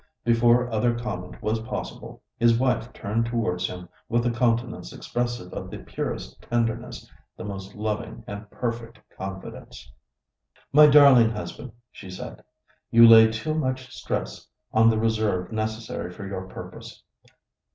Before other comment was possible, his wife turned towards him with a countenance expressive of the purest tenderness, the most loving and perfect confidence. "My darling husband," she said, "you lay too much stress upon the reserve necessary for your purpose.